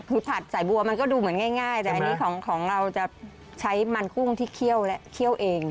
คือผัดสายบัวมันก็ดูเหมือนง่ายแต่อันนี้ของเราจะใช้มันกุ้งที่เคี่ยวและเคี่ยวเอง